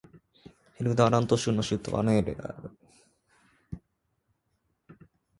ヘルダーラント州の州都はアーネムである